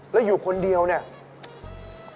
แล้วอยู่คนเดียวเนี่ย